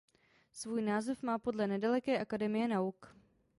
Svůj název má podle nedaleké Akademie nauk.